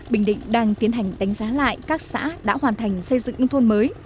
bình định đang tiến hành đánh giá lại các xã đã hoàn thành xây dựng nông thôn mới